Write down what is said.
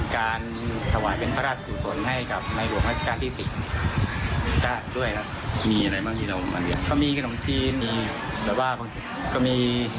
โดยช่วยกันสนับสนุนตรงนี้ให้กิจกรรมนี้เกิดขึ้นมาได้